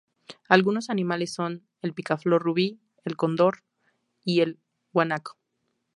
Algunos animales son: el picaflor rubí, el cóndor, y el guanaco.